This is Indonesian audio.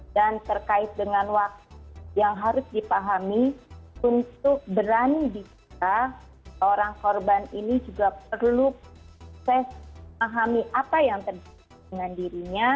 dan terkait dengan waktu yang harus dipahami untuk berani dikira orang korban ini juga perlu fes pahami apa yang terjadi dengan dirinya